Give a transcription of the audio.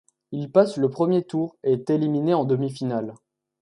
Il passe le premier tour et est éliminé en demi-finale.